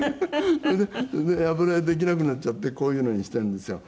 それで油絵できなくなっちゃってこういうのにしているんですよ。